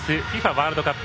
ワールドカップ。